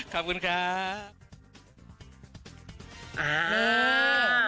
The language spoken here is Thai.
ขอบคุณครับ